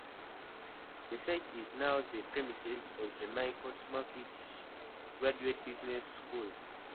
The site is now the premises of the Michael Smurfit Graduate Business School.